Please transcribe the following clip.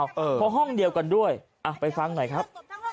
เพราะห้องเดียวกันด้วยไปฟังหน่อยครับ